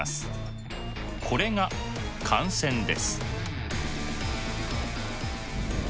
これが感染です。